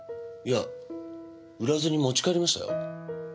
いや売らずに持ち帰りましたよ。